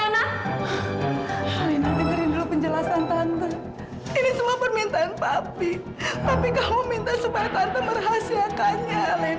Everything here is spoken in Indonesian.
alena dengerin dulu penjelasan tante ini semua permintaan papi papi kamu minta supaya tante merahasiakannya alena